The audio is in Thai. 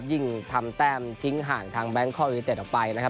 ซึ่งทำแต้มทิ้งห่างทางแบงค์ข้ออินเตอร์อีกหนึ่ง